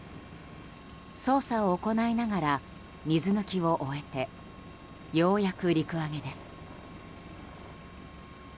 捜査を行いながら水抜きを終えてようやく陸揚げです。